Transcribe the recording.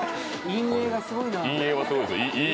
陰影がすごいな。